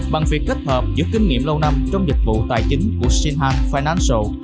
bằng việc kết hợp giữa kinh nghiệm lâu năm trong dịch vụ tài chính của sinhan financial